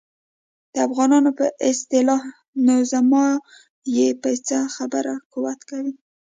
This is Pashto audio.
د افغانانو په اصطلاح نو زما یې په څه خبره قوت کوي.